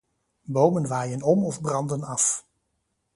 Bomen waaien om of branden af.